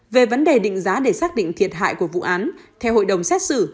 về vấn đề định giá để xác định thiệt hại của vụ án theo hội đồng xét xử